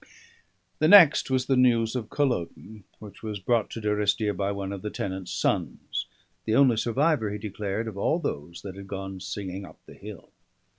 The next was the news of Culloden, which was brought to Durrisdeer by one of the tenants' sons the only survivor, he declared, of all those that had gone singing up the hill.